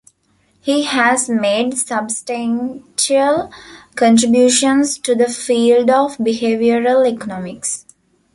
He has made substantial contributions to the field of behavioural economics.